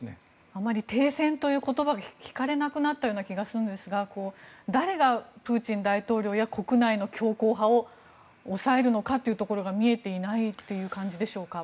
あまり停戦という言葉が聞かれなくなったような気がするんですが誰がプーチン大統領や国内の強硬派を抑えるのかというのが見えていないという感じでしょうか。